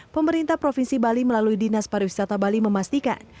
pemerintah provinsi bali melalui dinas pariwisata bali memastikan